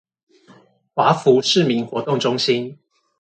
華福市民活動中心